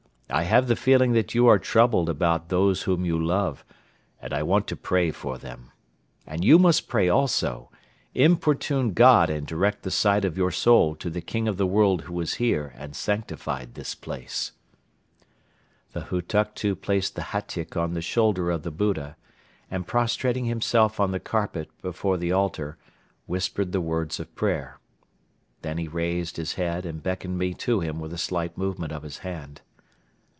I have the feeling that you are troubled about those whom you love, and I want to pray for them. And you must pray also, importune God and direct the sight of your soul to the King of the World who was here and sanctified this place." The Hutuktu placed the hatyk on the shoulder of the Buddha and, prostrating himself on the carpet before the altar, whispered the words of prayer. Then he raised his head and beckoned me to him with a slight movement of his hand.